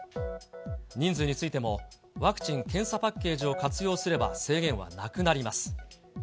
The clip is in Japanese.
人数についても、ワクチン・検査パッケージを活用すれば、制限はなくなります。